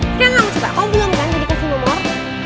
sekarang kamu coba kamu belum kan jadi kasih nomor